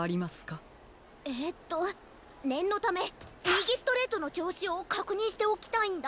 ええとねんのためみぎストレートのちょうしをかくにんしておきたいんだ。